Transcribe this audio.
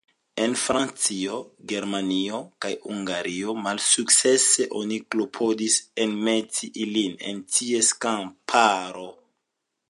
En Francio, Germanio, kaj Hungario malsukcese oni klopodis enmeti ilin en ties kamparo.